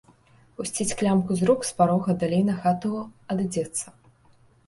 Пусціць клямку з рук, з парога далей на хату адыдзецца.